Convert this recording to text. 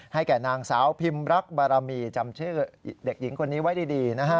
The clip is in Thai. แก่นางสาวพิมรักบารมีจำชื่อเด็กหญิงคนนี้ไว้ดีนะฮะ